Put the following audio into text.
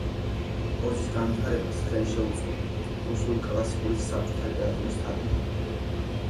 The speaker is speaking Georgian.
პროზის განვითარებას ხელი შეუწყო რუსული კლასიკური და საბჭოთა ლიტერატურის თარგმნამ.